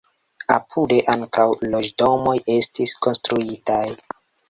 Apude ankaŭ loĝdomoj estis konstruitaj.